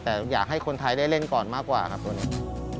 แต่อยากให้คนไทยได้เล่นก่อนมากกว่าครับตัวนี้